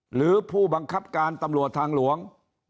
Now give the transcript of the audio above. หรือผู้บังคับการตำรวจทางหลวง